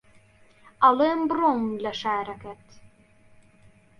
ئەڵێم بڕۆم لە شارەکەت